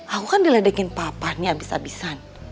aku kan diledekin papa nih abis abisan